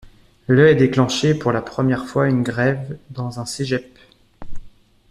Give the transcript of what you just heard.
Le est déclenché pour la première fois une grève dans un cégep.